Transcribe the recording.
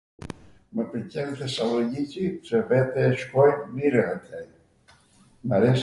Mw pwlqen Thesalloniqi pse vete shkoj mirw atje